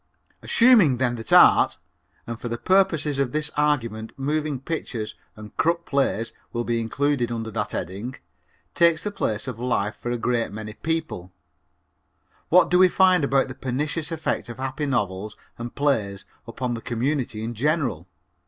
Assuming then that art, and for the purposes of this argument moving pictures and crook plays will be included under that heading, takes the place of life for a great many people, what do we find about the pernicious effect of happy novels and plays upon the community in general?